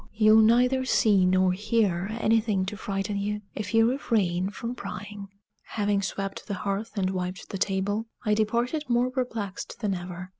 You'll neither see nor hear anything to frighten you if you refrain from prying." Having swept the hearth and wiped the table, I departed more perplexed than ever.